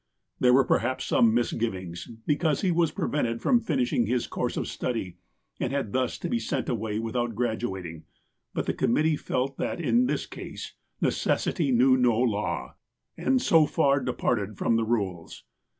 There were perhaps some misgivings, because he was prevented from finishing his course of study and had thus to be sent away without graduating ; but the committee felt that in this case " necessity knew no law," and so far departed from the rules.